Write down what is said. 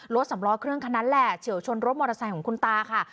สำล้อเครื่องคันนั้นแหละเฉียวชนรถมอเตอร์ไซค์ของคุณตาค่ะ